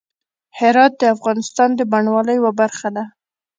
هرات د افغانستان د بڼوالۍ یوه برخه ده.